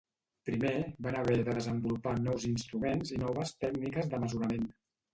Primer van haver de desenvolupar nous instruments i noves tècniques de mesurament.